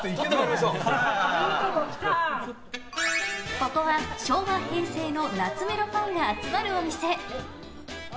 ここは昭和・平成の懐メロファンが集まるお店。